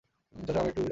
চাচা, আমি একটু আসছি।